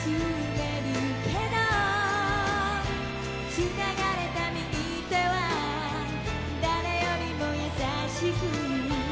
「繋がれた右手は誰よりも優しく」